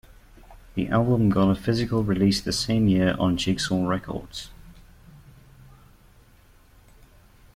The album got a physical release the same year on Jigsaw Records.